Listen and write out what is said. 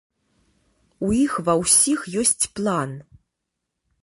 У іх ва ўсіх ёсць план!